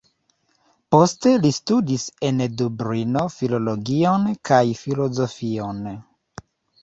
Poste li studis en Dublino filologion kaj filozofion.